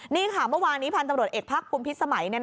นี่ค่ะวันนี้พันธบรรดเอกภาคปุมพิษสมัย